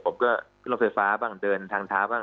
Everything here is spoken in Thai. ผมก็ขึ้นรถไฟฟ้าบ้างเดินทางเท้าบ้าง